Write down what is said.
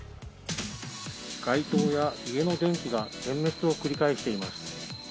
街灯や家の電気が点滅を繰り返しています。